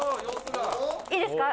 「いいですか？